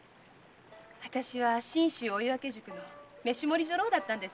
私は信州追分宿の飯盛り女郎だったんですよ。